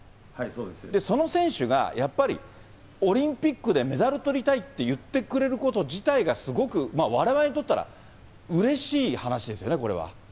その選手がやっぱり、オリンピックでメダルとりたいって言ってくれること自体がすごくわれわれにとったら、うれしい話ですよね。